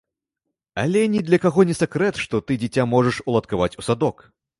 Але ні для каго не сакрэт, што ты дзіця можаш уладкаваць у садок.